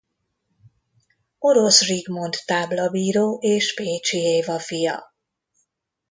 Orosz Zsigmond táblabíró és Péchy Éva fia.